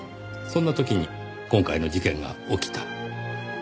そんな時に今回の事件が起きた。